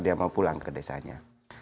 dia mau pulang ke desanya